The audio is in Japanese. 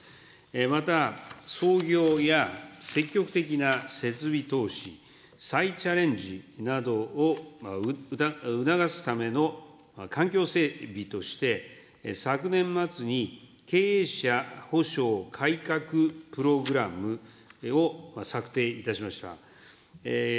また創業や積極的な設備投資、再チャレンジなどを促すための環境整備として、昨年末に経営者保証改革プログラムを策定いたしました。